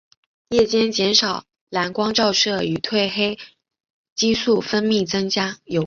夜间减少蓝光照射与褪黑激素分泌增加有关。